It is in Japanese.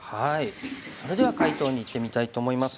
それでは解答にいってみたいと思います。